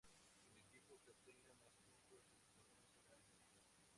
El equipo que obtenga más puntos en el torneos será el campeón.